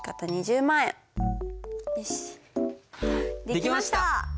できました！